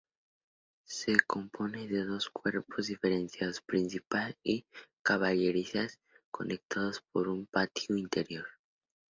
Se compone de dos cuerpos diferenciados, principal y caballerizas, conectados por un patio interior.